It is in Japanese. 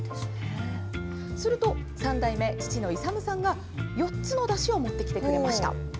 すると、３代目、父の勇さんが、４つのだしを持ってきてくれました。